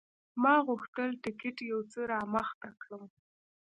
ما غوښتل ټکټ یو څه رامخته کړم.